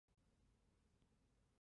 挑战者所得的奖金会累积计算。